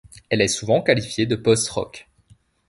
Elle est souvent qualifiée de post-rock.